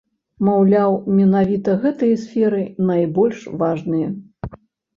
Маўляў, менавіта гэтыя сферы найбольш важныя.